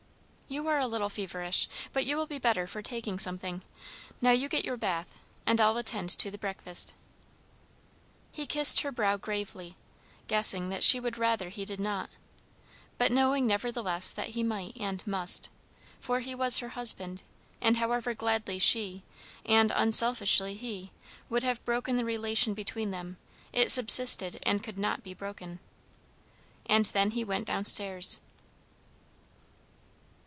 "You are a little feverish but you will be better for taking something. Now you get your bath and I'll attend to the breakfast." He kissed her brow gravely, guessing that she would rather he did not, but knowing nevertheless that he might and must; for he was her husband, and however gladly she, and unselfishly he, would have broken the relation between them, it subsisted and could not be broken. And then he went down stairs.